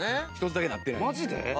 １つだけなってない。